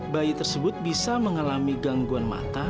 bayi tersebut bisa mengalami gangguan mata